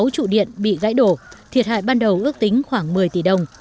sáu trụ điện bị gãy đổ thiệt hại ban đầu ước tính khoảng một mươi tỷ đồng